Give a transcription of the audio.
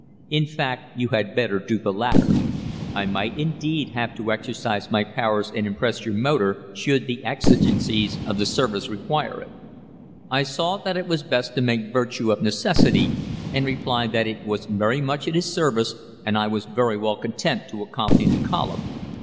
In fact, you had better do the latter. I might, indeed, have to exercise my powers and impress your motor, should the exigencies of the Service require it.' I saw that it was best to make virtue of necessity, and replied that it was very much at his service, and that I was very well content to accompany the column.